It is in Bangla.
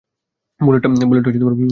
বুলেটটা বের করছি।